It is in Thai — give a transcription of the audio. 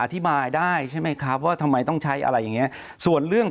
อธิบายได้ใช่ไหมครับว่าทำไมต้องใช้อะไรอย่างเงี้ยส่วนเรื่อง